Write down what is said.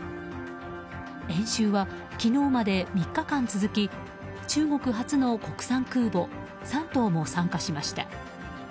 演習は、昨日まで３日間続き中国初の国産空母「山東」も参加しました。